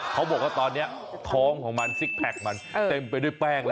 เขาบอกว่าตอนนี้ท้องของมันซิกแพคมันเต็มไปด้วยแป้งแล้ว